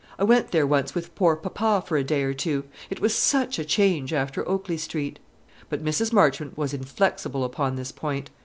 I went there once with poor papa for a day or two; it was such a change after Oakley Street." But Mrs. Marchmont was inflexible upon this point.